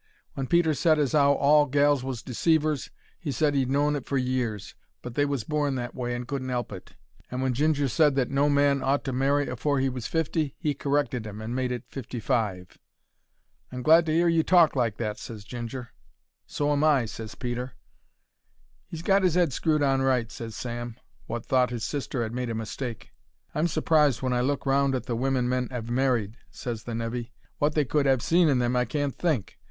When Peter said as 'ow all gals was deceivers, he said he'd known it for years, but they was born that way and couldn't 'elp it; and when Ginger said that no man ought to marry afore he was fifty, he corrected 'im and made it fifty five. "I'm glad to 'ear you talk like that," ses Ginger. "So am I," ses Peter. "He's got his 'ead screwed on right," ses Sam, wot thought his sister 'ad made a mistake. "I'm surprised when I look round at the wimmen men 'ave married," ses the nevy; "wot they could 'ave seen in them I can't think.